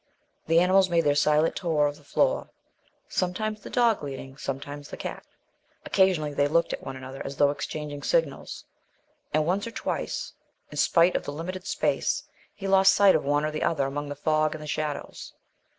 The animals made their silent tour of the floor, sometimes the dog leading, sometimes the cat; occasionally they looked at one another as though exchanging signals; and once or twice, in spite of the limited space, he lost sight of one or other among the fog and the shadows.